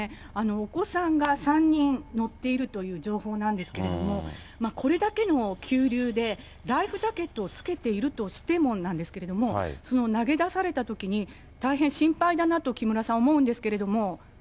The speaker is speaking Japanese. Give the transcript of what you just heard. お子さんが３人乗っているという情報なんですけれども、これだけの急流で、ライフジャケットを着けているとしてもなんですけれども、投げ出されたときに、大変心配だなと木村さん、思うんですけれども。